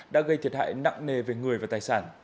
đã gây thiệt hại nặng nề về người và tài sản